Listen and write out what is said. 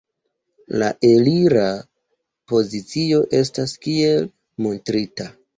La elira pozicio estas kiel montrita.